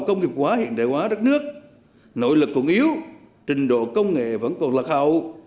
công nghiệp hóa hiện đại hóa đất nước nội lực còn yếu trình độ công nghệ vẫn còn lạc hậu